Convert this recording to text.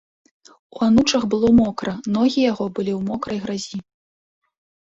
У анучах было мокра, ногі яго былі ў мокрай гразі.